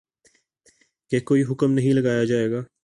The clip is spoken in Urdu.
کہ کوئی حکم نہیں لگایا جائے گا